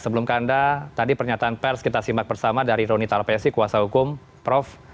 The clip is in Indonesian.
sebelum kanda tadi pernyataan pers kita simak bersama dari roni talapesi kuasa hukum prof